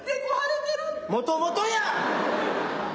もともとや！